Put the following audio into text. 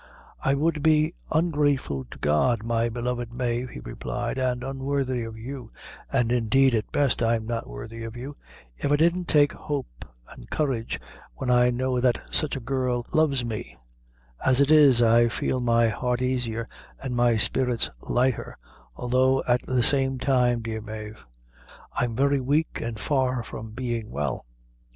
"I would be ungrateful to God, my beloved Mave," he replied, "and unworthy of you and, indeed, at best I'm not worthy of you if I didn't take hope an' courage, when I know that sich a girl Joves me; as it is, I feel my heart aisier, an' my spirits lighter; although, at the same time, dear Mave, I'm very wake, and far from being well."